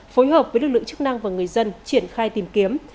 phối hợp với lực lượng chức năng và người dân triển khai tìm kiếm